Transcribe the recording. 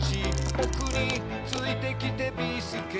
「ぼくについてきてビーすけ」